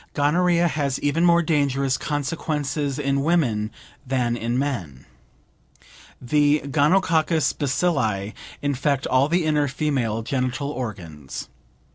Gonorrhea has even more dangerous consequences in women than in men. The gonococcus bacilli infect all the inner female genital organs.